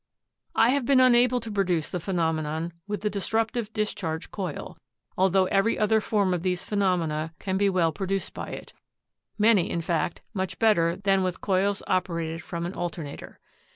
"I have been unable to produce the phen omenon with the disruptive discharge coil, altho every other form of these phenomena can be well produced by it — many, in fact, much better than with coils operated from an alternator.